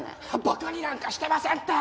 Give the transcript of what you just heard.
バカになんかしてませんって！